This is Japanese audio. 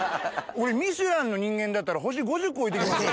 俺ミシュランの人間だったら星５０個置いて行きますよ。